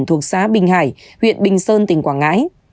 thuộc xã bình hải huyện bình sơn tỉnh quảng ngãi